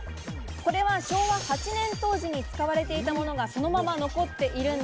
これは昭和８年当時に使われていたものが、そのまま残っているん